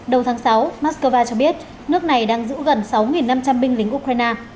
đầu tháng sáu moscow cho biết nước này đang giữ gần sáu năm trăm linh binh lính ukraine